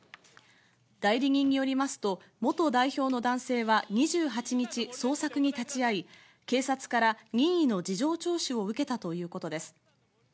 代理人によりますと、元代表の男性は２８日、捜索に立ち会い、警察から任意の事情聴取を受けたということです。